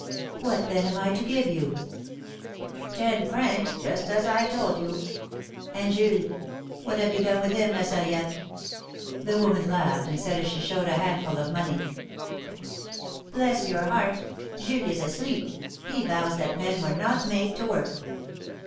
"What, then, am I to give you?" "Ten francs — just as I told you! And Jules — what have you done with him. La Sarriette?" The woman laughed, and said as she showed a handful of money : "Bless your heart, Jules is asleep ! He vows that men were not made to work."